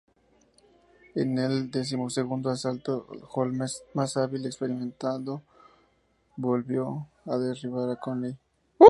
En el decimosegundo asalto, Holmes, más hábil y experimentado, volvió a derribar a Cooney.